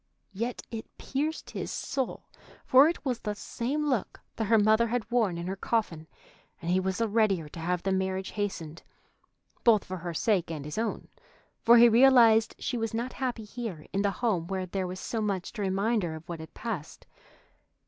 Yet it pierced his soul, for it was the same look that her mother had worn in her coffin, and he was the readier to have the marriage hastened, both for her sake and his own, for he realized she was not happy here in the home where there was so much to remind her of what had passed.